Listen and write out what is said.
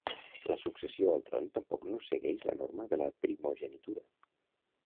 La successió al tron tampoc no segueix la norma de la primogenitura.